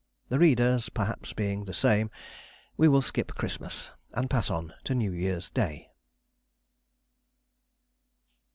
The reader's perhaps being the same, we will skip Christmas and pass on to New Year's Day.